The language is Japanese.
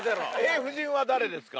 夫人は誰ですか？